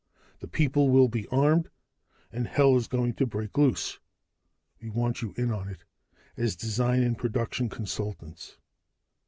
The people will be armed, and hell is going to break loose! "We want you in on it as design and production consultants.